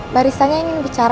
barisannya ingin bicara